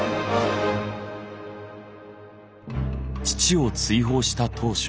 父を追放した当初。